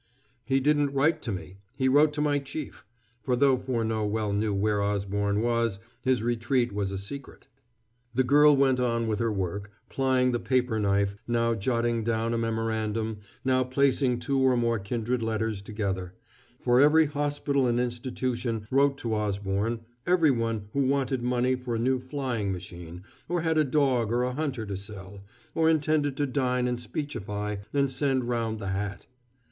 "He didn't write to me: he wrote to my Chief" for, though Furneaux well knew where Osborne was, his retreat was a secret. The girl went on with her work, plying the paper knife, now jotting down a memorandum, now placing two or more kindred letters together: for every hospital and institution wrote to Osborne, everyone who wanted money for a new flying machine, or had a dog or a hunter to sell, or intended to dine and speechify, and send round the hat.